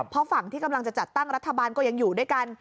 เพราะฝั่งที่กำลังจะจัดตั้งรัฐบาลก็ยังอยู่ด้วยกัน